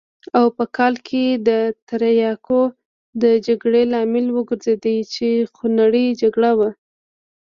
او په کال کې د تریاکو د جګړې لامل وګرځېد چې خونړۍ جګړه وه.